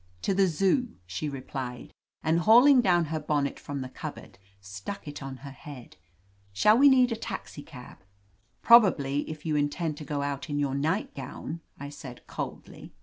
"To the Zoo/' she replied, and hauling down her bonnet from the cupboard, stuck it on her head. "Shall we need a taxicab?*' "Probably, if you intend to go out in your nightgown," I said coldly.